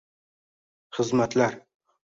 Xizmatlar